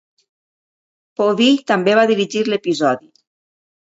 Povill també va dirigir l'episodi.